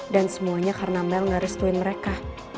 dan semuanya karena mel gak restuin mereka